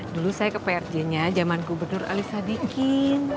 dulu saya ke prj nya jamanku bener alisa dikin